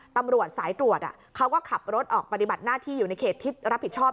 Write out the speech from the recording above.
ตำรวจสายตรวจเขาก็ขับรถออกปฏิบัติหน้าที่อยู่ในเขตที่รับผิดชอบ